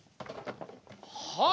はい。